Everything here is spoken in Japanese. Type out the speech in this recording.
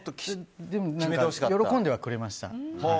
喜んではくれました。